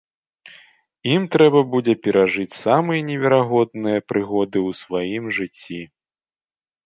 Ім трэба будзе перажыць самыя неверагодныя прыгоды ў сваім жыцці.